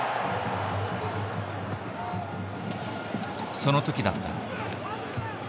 その時だった。